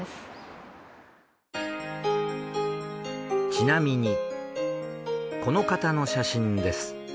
ちなみにこの方の写真です。